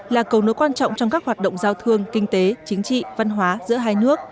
là cầu nối quan trọng trong các hoạt động giao thương kinh tế chính trị văn hóa giữa hai nước